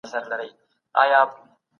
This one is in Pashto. له اوبو سره راوتـي يـو